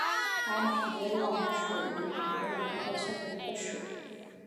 斑皮蠹属是皮蠹科下的一个属。